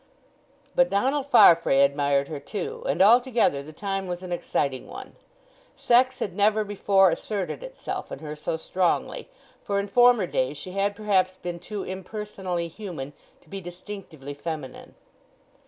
But Donald Farfrae admired her, too; and altogether the time was an exciting one; sex had never before asserted itself in her so strongly, for in former days she had perhaps been too impersonally human to be distinctively feminine.